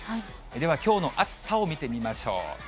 ではきょうの暑さを見てみましょう。